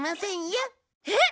えっ！